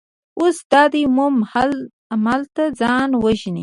اوس دا دی مومو هم هملته ځان وژني.